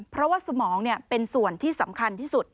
เพราะว่าสมองเป็นส่วนที่สำคัญที่สุด